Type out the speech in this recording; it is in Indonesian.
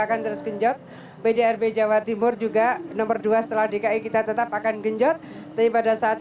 akan terus genjot pdrb jawa timur juga nomor dua setelah dki kita tetap akan genjot tapi pada saat